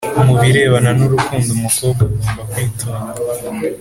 Mu birebana n’ urukundo umukobwa agomba kwitonda